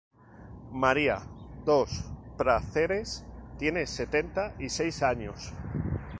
María dos Prazeres tiene setenta y seis años.